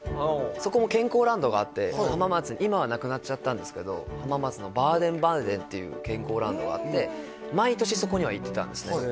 そこも健康ランドがあって今はなくなっちゃったんですけど浜松のバーデンバーデンっていう健康ランドがあって毎年そこには行ってたんですね